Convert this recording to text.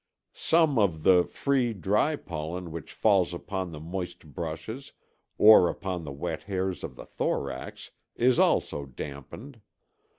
Some of the free, dry pollen which falls upon the moist brushes or upon the wet hairs of the thorax is also dampened.